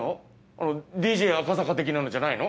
あのＤＪ赤坂的なのじゃないの？